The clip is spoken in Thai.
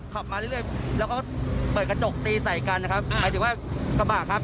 ขับมาเรื่อยแล้วก็เปิดกระจกตีใส่กันนะครับหมายถึงว่ากระบะครับ